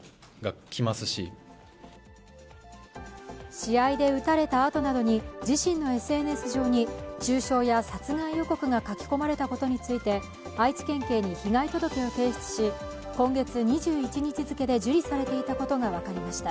試合で打たれたあとなどに、自身のＳＮＳ上に中傷や殺害予告が書き込まれたことについて愛知県警に被害届を提出し、今月２１日付で受理されていたことが分かりました。